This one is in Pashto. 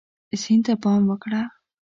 سیند ته پام وکړه.